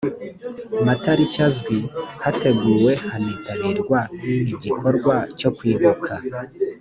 matariki azwi hateguwe hanitabirwa igikorwa cyo kwibuka